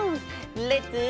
レッツ。